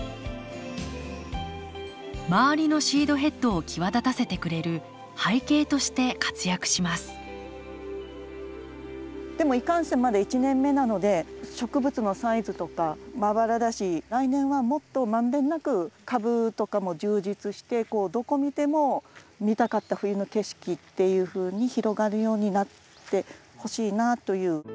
周りのシードヘッドを際立たせてくれる背景として活躍しますでもいかんせんまだ１年目なので植物のサイズとかまばらだし来年はもっと満遍なく株とかも充実してどこ見ても見たかった冬の景色っていうふうに広がるようになってほしいなぁという。